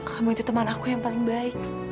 kamu itu teman aku yang paling baik